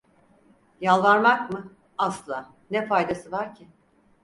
Yalvarmak mı? Asla… Ne faydası var ki?